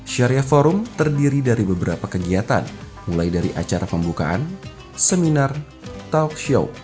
syariah forum terdiri dari beberapa kegiatan mulai dari acara pembukaan seminar talk show